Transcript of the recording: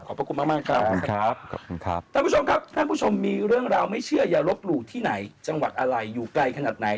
ขอบพระคุณมากครับท่านผู้ชมครับท่านผู้ชมมีเรื่องราวไม่เชื่ออย่าลบหลู่ที่ไหนจังหวัดอะไรอยู่ใกล้ขนาดไหน